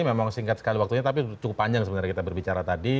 memang singkat sekali waktunya tapi cukup panjang sebenarnya kita berbicara tadi